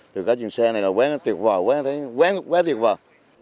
tôi có chuyện xe này là quén tuyệt vời quén tuyệt vời